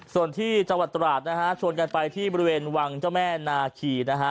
ส่วนที่จังหวัดตราดนะฮะชวนกันไปที่บริเวณวังเจ้าแม่นาคีนะฮะ